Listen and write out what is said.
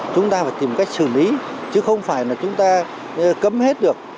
chúng ta phải tìm cách xử lý chứ không phải là chúng ta cấm hết được